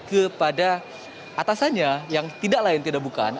kepada atasannya yang tidak lain tidak bukan